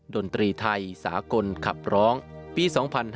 ดนตรีไทยสากลขับร้องปี๒๕๕๙